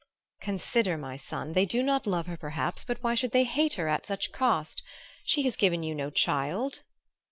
"Consider, my son. They do not love her, perhaps; but why should they hate her at such cost? She has given you no child."